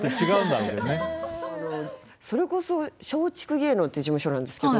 それこそ松竹芸能って事務所なんですけど